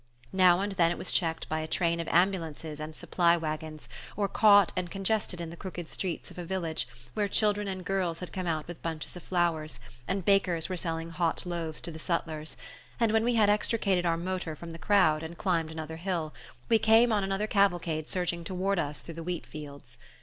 Now and then it was checked by a train of ambulances and supply waggons, or caught and congested in the crooked streets of a village where children and girls had come out with bunches of flowers, and bakers were selling hot loaves to the sutlers; and when we had extricated our motor from the crowd, and climbed another hill, we came on another cavalcade surging toward us through the wheat fields.